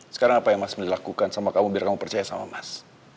sekarang apa yang mas lakukan sama kamu biar kamu percaya sama mas